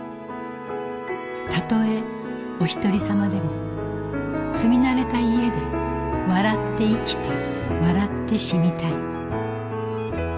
たとえおひとりさまでも住み慣れた家で笑って生きて笑って死にたい。